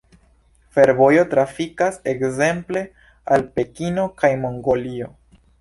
Fervojo trafikas ekzemple al Pekino kaj Mongolio.